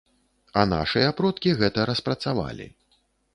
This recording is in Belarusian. А нашыя продкі гэта распрацавалі.